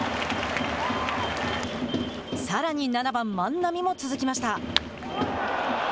さらに７番万波も続きました。